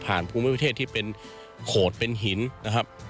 ภูมิประเทศที่เป็นโขดเป็นหินนะครับ